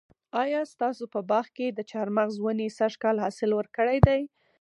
آیا ستاسو په باغ کې د چهارمغز ونې سږ کال حاصل ورکړی دی؟